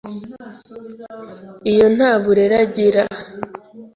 iyo nta burere agira,